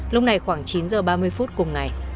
lúc này khoảng chín giờ ba mươi phút cùng ngày